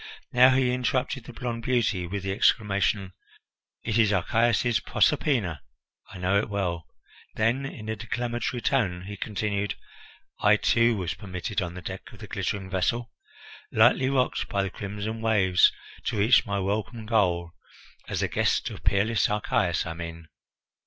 Now he interrupted the blond beauty with the exclamation: "It is Archias's Proserpina! I know it well." Then, in a declamatory tone, he continued: "I, too, was permitted on the deck of the glittering vessel, lightly rocked by the crimson waves, to reach my welcome goal; as the guest of peerless Archias, I mean.